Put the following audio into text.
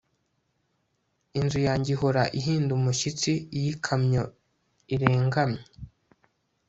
Inzu yanjye ihora ihinda umushyitsi iyo ikamyo irenganye